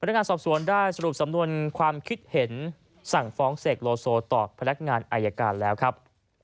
นักงานสอบสวนได้สรุปสำนวนความคิดเห็นสั่งฟ้องเสกโลโซต่อพนักงานอายการแล้วครับ